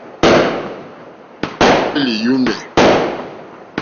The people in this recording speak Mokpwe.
À hwèlì yɔ̀mɛ̀.